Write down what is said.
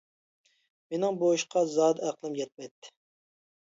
مىنىڭ بۇ ئىشقا زادى ئەقلىم يەتمەيتتى.